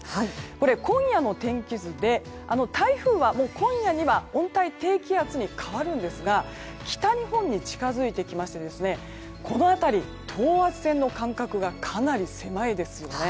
これ、今夜の天気図で台風は今夜には温帯低気圧に変わるんですが北日本に近づいてきますとこの辺り等圧線の間隔がかなり狭いですよね。